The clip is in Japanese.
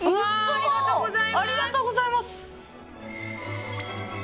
ありがとうございます。